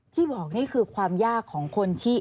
ที่บอกนี่คือความยากของคนที่